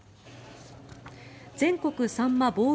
全国さんま棒受